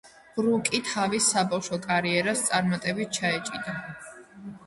ბრუკი თავის საბავშვო კარიერას წარმატებით ჩაეჭიდა.